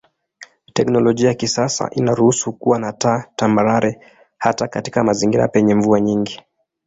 Teknolojia ya kisasa inaruhusu kuwa na taa tambarare hata katika mazingira penye mvua nyingi.